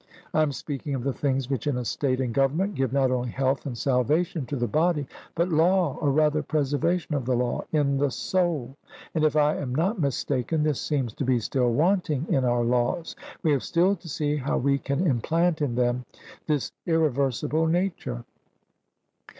I am speaking of the things which in a state and government give not only health and salvation to the body, but law, or rather preservation of the law, in the soul; and, if I am not mistaken, this seems to be still wanting in our laws: we have still to see how we can implant in them this irreversible nature.